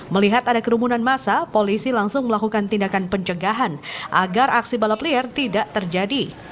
melihat ada kerumunan masa polisi langsung melakukan tindakan pencegahan agar aksi balap liar tidak terjadi